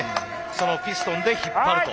そのピストンで引っ張ると。